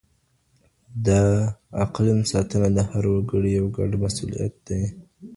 د اقلیم ساتنه د هر وګړي یو ګډ مسولیت دی.